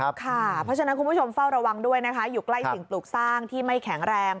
เพราะฉะนั้นคุณผู้ชมเฝ้าระวังด้วยนะคะอยู่ใกล้สิ่งปลูกสร้างที่ไม่แข็งแรง